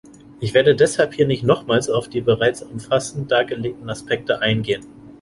Ich werde deshalb hier nicht nochmals auf die bereits umfassend dargelegten Aspekte eingehen.